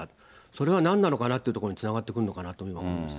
それはなんなのかなというところにつながってくるのかなと思いま